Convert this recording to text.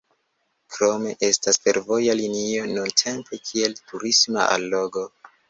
Krome estas fervoja linio nuntempe kiel turisma allogo.